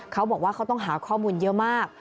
เขาบอกว่าเขาต้องหาข้อมูลเยอะมาก